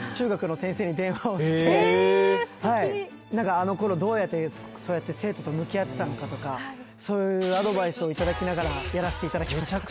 あのころどうやってそうやって生徒と向き合ってたのかとか、そういうアドバイスを頂きながらやらせていただきました。